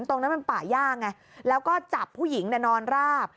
ตรงนั้นมันป่าย่าไงแล้วก็จับผู้หญิงนอนราบ